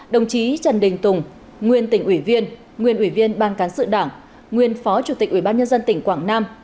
đồng chí trần đình tùng nguyên tỉnh ủy viên nguyên ủy viên ban cán sự đảng nguyên phó chủ tịch ủy ban nhân dân tỉnh quảng nam